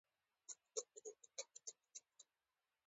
پښتو متلونو: راټولونکې ډيـوه افـضـل.